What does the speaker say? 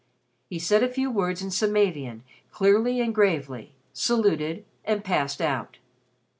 He said a few words in Samavian clearly and gravely, saluted, and passed out.